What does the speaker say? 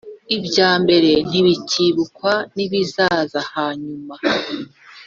Ibya mbere ntibicyibukwa n ibizaza hanyuma